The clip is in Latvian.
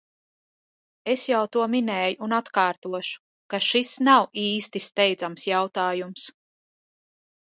Es jau to minēju un atkārtošu, ka šis nav īsti steidzams jautājums.